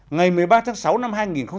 ngày một mươi ba tháng sáu năm hai nghìn bảy